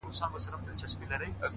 خیر دی قبر ته دي هم په یوه حال نه راځي;